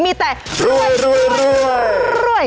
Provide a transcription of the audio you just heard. มีแต่รวย